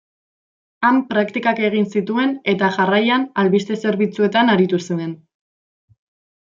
Han praktikak egin zituen eta jarraian albiste-zerbitzuetan aritu zuen.